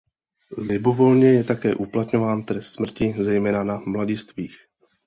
Libovolně je také uplatňován trest smrti, zejména na mladistvých.